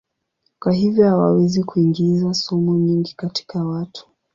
Kwa hivyo hawawezi kuingiza sumu nyingi katika watu.